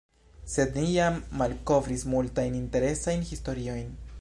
Sed ni jam malkovris multajn interesajn historiojn.